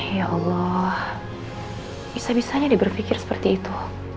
ya allah bisa bisanya diberpikir seperti itu